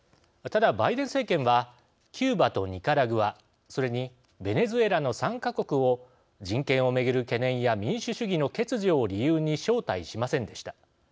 ただ、バイデン政権はキューバとニカラグアそれにベネズエラの３か国を人権をめぐる懸念や民主主義の欠如を理由に招待しませんでした。